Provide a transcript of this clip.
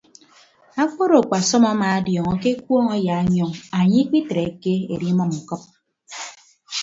Akpodo akpasọm amaadiọọñọ ke ekuọñ ayaanyọñ anye ikpikitreke edimʌm ñkʌp.